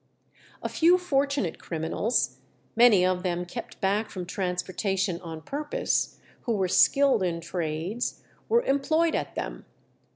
A few fortunate criminals, many of them kept back from transportation on purpose, who were skilled in trades, were employed at them.